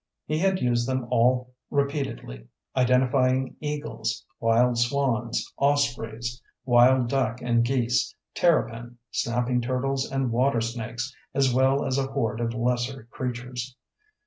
He had used them all repeatedly, identifying eagles, wild swans, ospreys, wild duck and geese, terrapin, snapping turtles and water snakes, as well as a horde of lesser creatures.